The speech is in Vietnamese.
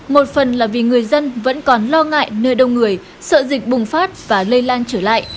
một phần là vì người dân vẫn còn lo ngại nơi đông người sợ dịch bùng phát và lây lan trở lại